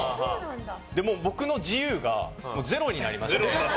もう、僕の自由がゼロになりまして。